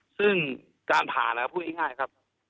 ซึ่งการผ่านนะครับพูดง่ายครับ